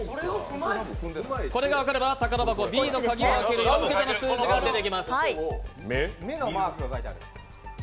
これが分かれば宝箱Ｂの鍵を開ける４桁の数字が分かります。